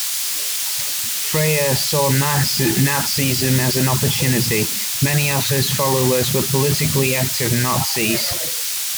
Freyer saw Nazism as an opportunity; many of his followers were politically active Nazis.